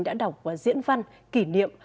đã đọc và diễn văn kỷ niệm